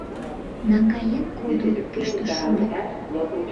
— Наҥгаен кодо! — кӱштыш Шурик.